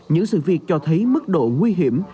những sự việc cho thấy mức độ nguy hiểm